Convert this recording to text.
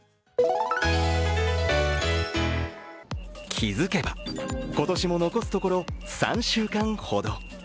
気づけば、今年も残すところ３週間ほど。